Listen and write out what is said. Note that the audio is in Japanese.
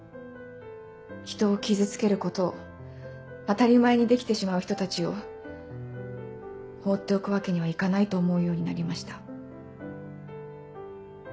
人を傷つけることを当たり前にできてしまう人たちを放っておくわけにはいかないと思うようになりました。